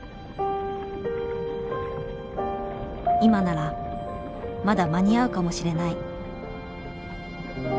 今ならまだ間に合うかもしれない。